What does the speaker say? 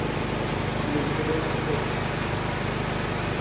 Non quede na retórica.